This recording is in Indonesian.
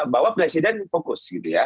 bahwa presiden fokus gitu ya